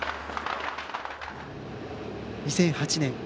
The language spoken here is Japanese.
２００８年